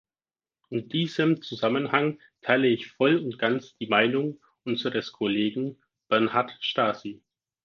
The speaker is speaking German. In diesem Zusammenhang teile ich voll und ganz die Meinung unseres Kollegen Bernard Stasi.